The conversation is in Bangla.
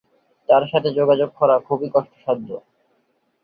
তাঁর সাথে যোগাযোগ করা খুব কষ্টসাধ্য।